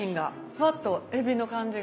ふわっとえびの感じが。